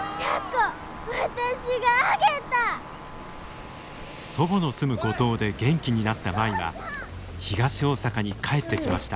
祖母の住む五島で元気になった舞は東大阪に帰ってきました。